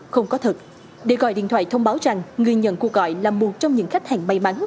không có thật để gọi điện thoại thông báo rằng người nhận cuộc gọi là một trong những khách hàng may mắn